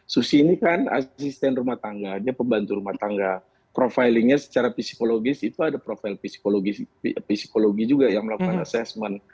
susi ini kan asisten rumah tangga dia pembantu rumah tangga profilingnya secara psikologis itu ada profil psikologi juga yang melakukan assessment